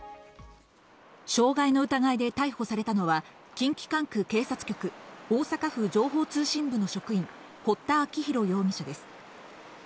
傷害の疑いで逮捕されたのは、近畿管区警察局、大阪府情報通信部の職員・堀田晶弘容疑者です。